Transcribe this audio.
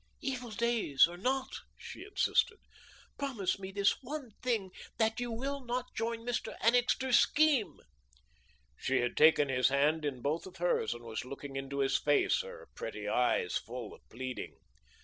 "Evil days or not," she insisted, "promise me this one thing, that you will not join Mr. Annixter's scheme." She had taken his hand in both of hers and was looking into his face, her pretty eyes full of pleading.